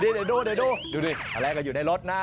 อย่าดูอะไรก็อยู่ในรถนะ